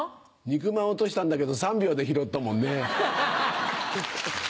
肉まん落としたんだけど３秒で拾ったもんね。